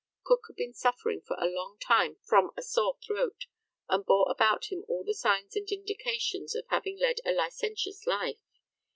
Cook had been suffering for a long time from a sore throat, and bore about him all the signs and indications of having led a licentious life.